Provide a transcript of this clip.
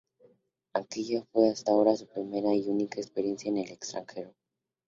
Aquella fue hasta ahora su primera y única experiencia en el extranjero.